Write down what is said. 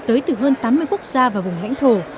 tới từ hơn tám mươi quốc gia và vùng lãnh thổ